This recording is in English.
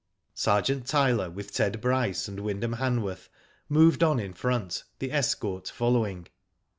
Sergeant Tyler with Ted Bryce and Wyndham Hanworth moved on in front, the escort following.